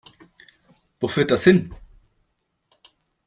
Wo führt das hin?